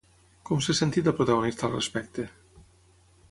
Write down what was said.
Com s'ha sentit la protagonista al respecte?